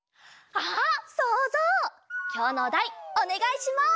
あっそうぞうきょうのおだいおねがいします。